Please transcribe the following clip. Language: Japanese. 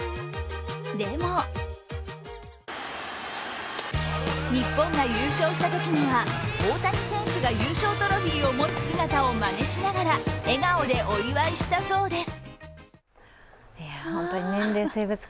でも日本が優勝したときには大谷選手が優勝トロフィーを持つ姿をまねしながら笑顔でお祝いしたそうです。